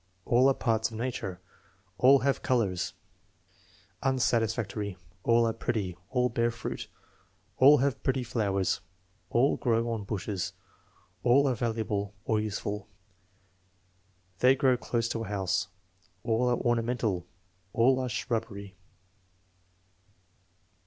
"All are parts of nature." "All have colors." Unsatisfactory. "All are pretty." "All bear fruit." "All have pretty flowers." "All grow on bushes." "All are valuable" (or useful). "They grow close to a house." "All are ornamental." "All are shrubbery."